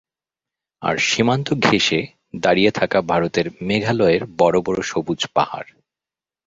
আর সীমান্ত ঘেঁষে দাঁড়িয়ে থাকা ভারতের মেঘালয়ের বড় বড় সবুজ পাহাড়।